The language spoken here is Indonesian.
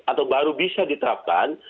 atau baru bisa diterapkan